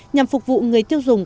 nhằm phục vụ người tiêu dùng